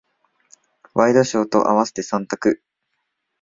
ワイドショーと合わせて三択。